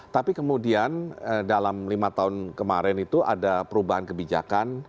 tapi kemudian dalam lima tahun kemarin itu ada perubahan kebijakan